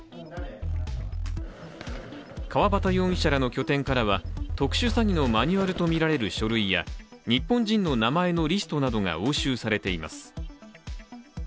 川端容疑者らの拠点からは特殊詐欺のマニュアルとみられる書類や日本人の名前のリストなどが押収されています。